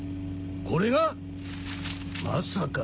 これが⁉まさか！